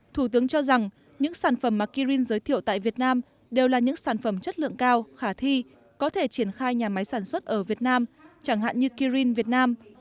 thủ tướng cho rằng những sản phẩm mà kirin giới thiệu tại việt nam đều là những sản phẩm chất lượng cao khả thi có thể triển khai nhà máy sản xuất ở việt nam chẳng hạn như kirin việt nam